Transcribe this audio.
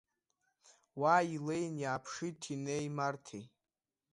Уа илеин, иааԥшит Ҭинеи Марҭеи.